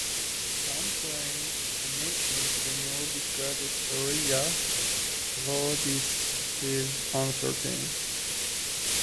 Some claim a connection to the Nordic goddess Freyja, though this is uncertain.